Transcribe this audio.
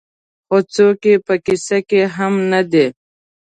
خو څوک یې په کيسه کې هم نه دي.